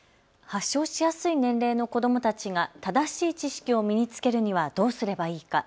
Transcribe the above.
発症しやすい年齢の子どもたちが正しい知識を身に着けるにはどうすればいいか。